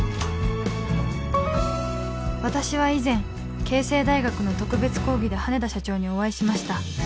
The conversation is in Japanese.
「私は以前慶成大学の特別講義で羽田社長にお会いしました」